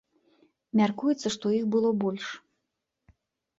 Мяркуецца, што іх было больш.